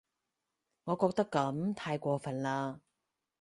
我覺得噉太過份喇